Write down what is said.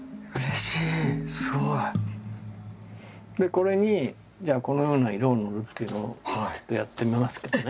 これにじゃあこのような色を塗るっていうのをちょっとやってみますけどね。